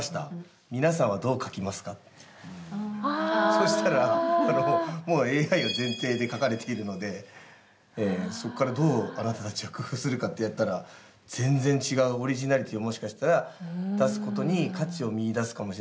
そうしたらもうＡＩが前提で書かれているのでそこからどうあなたたちは工夫するかってやったら全然違うオリジナリティーをもしかしたら出すことに価値を見いだすかもしれない。